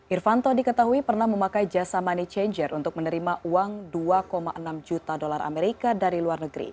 irfanto diketahui pernah memakai jasa money changer untuk menerima uang dua enam juta dolar amerika dari luar negeri